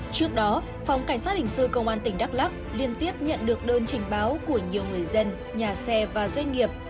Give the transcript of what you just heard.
trước đó phòng cảnh sát hình sự công an tỉnh đắk lắc liên tiếp nhận được đơn trình báo của nhiều người dân nhà xe và doanh nghiệp